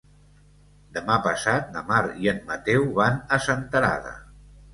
Demà passat na Mar i en Mateu van a Senterada.